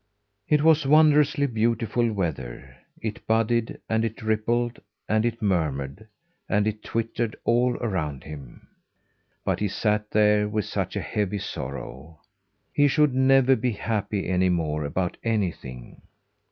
It was wondrously beautiful weather! It budded, and it rippled, and it murmured, and it twittered all around him. But he sat there with such a heavy sorrow. He should never be happy any more about anything.